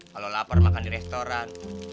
kalau lapar makan di restoran